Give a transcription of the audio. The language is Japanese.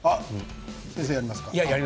先生やりますか？